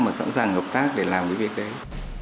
mà sẵn sàng hợp tác để làm cái việc đấy